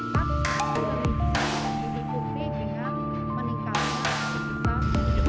cowok cowok yang jatah berikuti dengan meningkang heated